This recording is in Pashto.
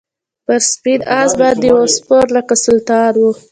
پر سپین آس باندي وو سپور لکه سلطان وو